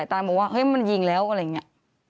ตานบอกว่าเฮ้ยมันยิงแล้วอะไรอย่างนี้